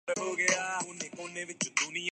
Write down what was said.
حقیقت بننا آسان نہیں دکھائی دیتا دوسرا مفروضہ